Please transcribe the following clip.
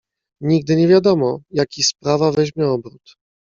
"Nigdy nie wiadomo, jaki sprawa weźmie obrót."